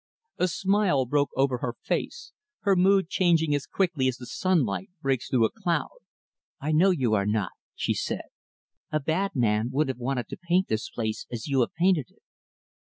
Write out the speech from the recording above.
A smile broke over her face her mood changing as quickly as the sunlight breaks through a cloud. "I know you are not" she said "a bad man wouldn't have wanted to paint this place as you have painted it."